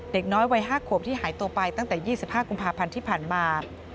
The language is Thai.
เด็กน้อยวัย๕ขวบที่หายตัวไปตั้งแต่๒๕กุมภาพันธ์ที่ผ่านมา